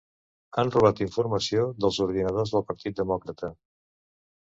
Han robat informació dels ordinadors del Partit Demòcrata